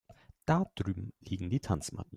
Da drüben liegen die Tanzmatten.